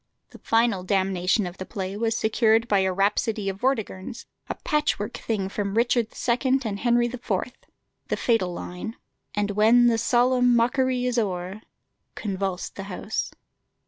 The final damnation of the play was secured by a rhapsody of Vortigern's, a patch work thing from "Richard II." and "Henry IV." The fatal line "And when the solemn mockery is o'er," convulsed the house.